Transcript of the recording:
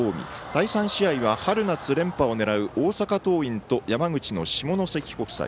第３試合は春夏連覇を狙う大阪桐蔭と山口の下関国際。